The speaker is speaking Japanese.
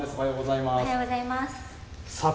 おはようございます。